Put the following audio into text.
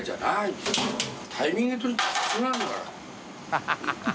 ハハハ